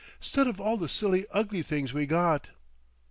'Sted of all the silly ugly things we got."...